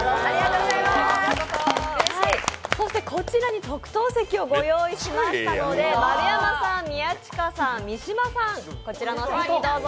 そしてこちらに特等席をご用意しましたので丸山さん、宮近さん、三島さん、こちらのお席にどうぞ。